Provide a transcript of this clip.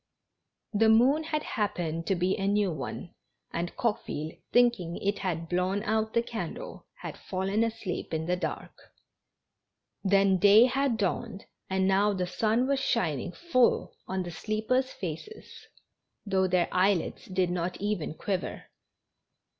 The moon had happened to be a new one, and Coque ville, thinking it had blown out the candle, had fallen asleep in the dark. Then day had dawned, and now the 238 GEFSRAL HAPPINESS. sun was shining full on the sleepers' faces, though their eyelids did not even quiver.